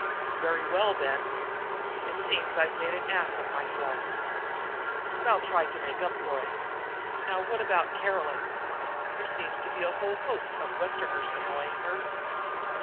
"Very well, then. It seems I've made an ass of myself, but I'll try to make up for it. Now what about Caroline? There seems to be a whole host of you Westerners annoying her."